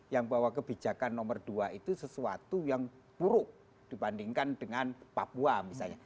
yang bahwa kebijakan nomor dua itu sesuatu yang buruk dibandingkan dengan papua misalnya